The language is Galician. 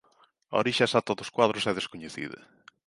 A orixe exacta dos cuados é descoñecida.